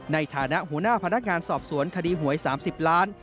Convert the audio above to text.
ในฐานะหัวหน้าพนักงานสอบสวนคดีหวย๓๐ล้าน